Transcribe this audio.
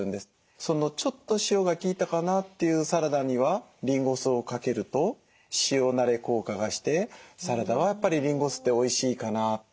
ちょっと塩が効いたかなっていうサラダにはリンゴ酢をかけると塩なれ効果がしてサラダはやっぱりリンゴ酢っておいしいかなって。